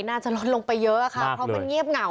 น่าจะลดลงไปเยอะค่ะเพราะมันเงียบเหงา